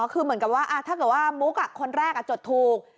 คือเหมือนกับว่าถ้าเกิดว่ามุกคนแรกจดถูก